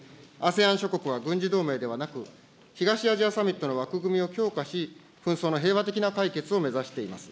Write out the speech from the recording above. ＡＳＥＡＮ諸国は軍事同盟ではなく、東アジアサミットの枠組みを強化し、紛争の平和的な解決を目指しています。